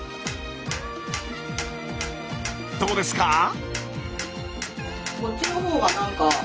どうですか？